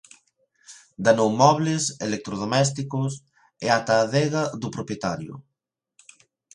Danou mobles, electrodomésticos e ata a adega do propietario.